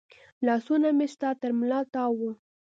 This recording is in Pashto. لاسونه مې ستا تر ملا تاو و